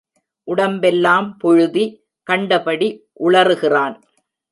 உடம்பெல்லாம் புழுதி, கண்டபடி உளறுகிறான்.